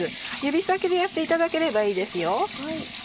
指先でやっていただければいいですよ。